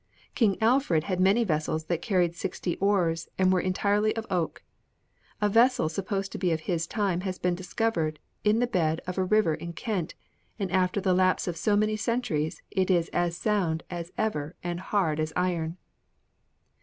King Alfred had many vessels that carried sixty oars and were entirely of oak. A vessel supposed to be of his time has been discovered in the bed of a river in Kent, and after the lapse of so many centuries it is as sound as ever and as hard as iron."